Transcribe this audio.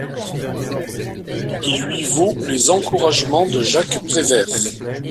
Il lui vaut les encouragements de Jacques Prévert.